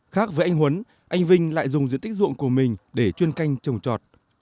khác với anh huấn anh vinh lại dùng diện tích ruộng của mình để chuyên canh trồng trọt